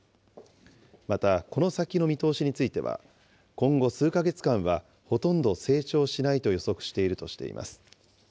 また、この先の見通しについては、今後数か月間は、ほとんど成長しないと予測しているとしています。